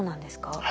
はい。